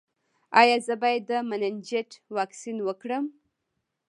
ایا زه باید د مننجیت واکسین وکړم؟